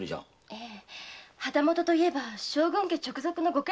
ええ旗本と言えば将軍家直属のご家来衆でしょ。